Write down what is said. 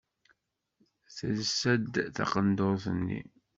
Telsa-d taqendurt-nni.